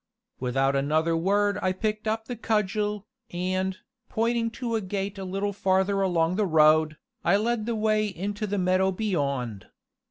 Without another word I picked up the cudgel, and, pointing to a gate a little farther along the road, I led the way into the meadow beyond.